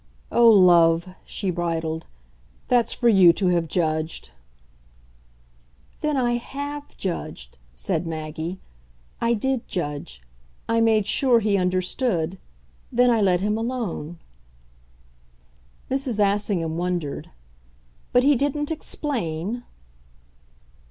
"Oh, love," she bridled, "that's for you to have judged!" "Then I HAVE judged," said Maggie "I did judge. I made sure he understood then I let him alone." Mrs. Assingham wondered. "But he didn't explain